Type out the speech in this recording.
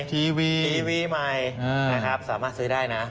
ทีวีใหม่สามารถซื้อได้นะ